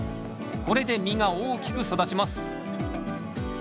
これで実が大きく育ちます。